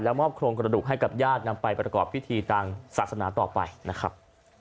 มอบโครงกระดูกให้กับญาตินำไปประกอบพิธีทางศาสนาต่อไปนะครับ